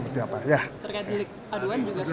terkait jelik aduan juga